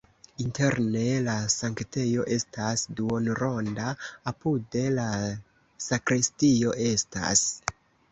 Interne la sanktejo estas duonronda, apude la sakristio estas.